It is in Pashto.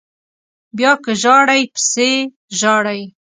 بیا که ژاړئ پسې ژاړئ